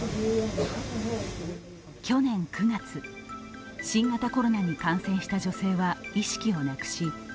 去年９月、新型コロナに感染した女性は意識をなくし